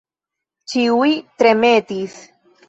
Ĉiuj tremetis.